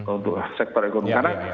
untuk sektor ekonomi karena